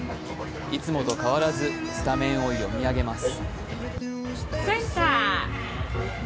いつもと変わらずスタメンを読み上げます。